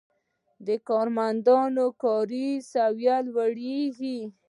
د کارمندانو کاري سویه لوړیږي.